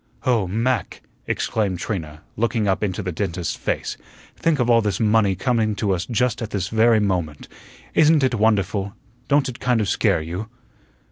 "Oh, Mac!" exclaimed Trina, looking up into the dentist's face, "think of all this money coming to us just at this very moment. Isn't it wonderful? Don't it kind of scare you?"